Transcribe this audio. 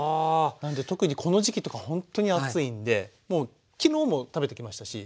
なんで特にこの時期とかほんっとに暑いんでもう昨日も食べてきましたし。